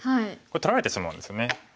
これ取られてしまうんですよね。